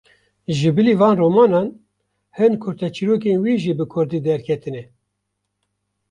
Ji bilî van romanan, hin kurteçîrrokên wî jî bi kurdî derketine.